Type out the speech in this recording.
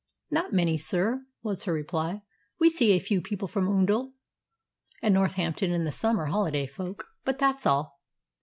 "Not many, sir," was her reply. "We see a few people from Oundle and Northampton in the summer holiday folk. But that's all."